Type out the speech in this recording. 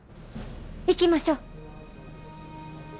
行きましょう。